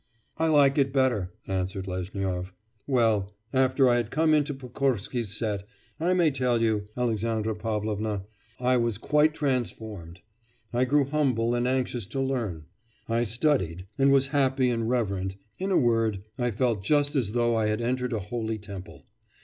'I like it better,' answered Lezhnyov. 'Well, after I had come into Pokorsky's set, I may tell you, Alexandra Pavlovna, I was quite transformed; I grew humble and anxious to learn; I studied, and was happy and reverent in a word, I felt just as though I had entered a holy temple.